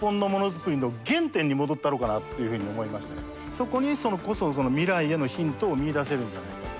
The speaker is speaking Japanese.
そこにこそ未来へのヒントを見いだせるんじゃないかと。